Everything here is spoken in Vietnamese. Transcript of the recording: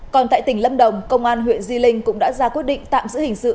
còn tại tỉnh lâm đồng công an huyện di linh cũng đã ra quyết định tạm giữ hình sự